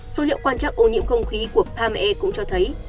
số liệu quan chắc ô nhiễm không khí của pme cũng cho thấy